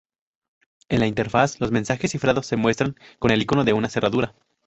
En la interfaz, los mensajes cifrados se muestran con el icono de una cerradura.